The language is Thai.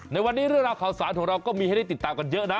ในวันนี้เรื่องราวข่าวสารของเราก็มีให้ได้ติดตามกันเยอะนะ